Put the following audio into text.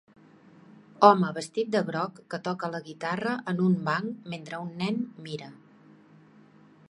Home vestit de groc que toca la guitarra en un banc mentre un nen mira.